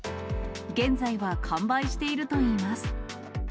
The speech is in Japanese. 現在は完売しているといいます。